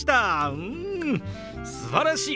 うんすばらしい！